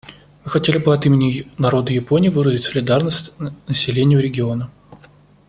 Мы хотели бы от имени народа Японии выразить солидарность населению региона.